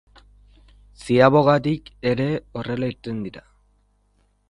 Ziabogatik ere horrela irten dira.